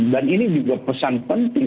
dan ini juga pesan penting